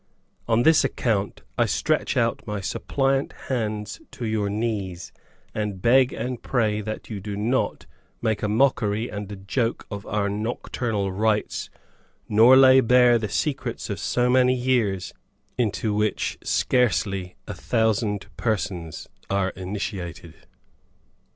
On this account, I stretch out my suppliant hands to your knees, and beg and pray that you do not make a mockery and a joke of our nocturnal rites, nor lay bare the secrets of so many years, into which scarcely a thousand persons are initiated."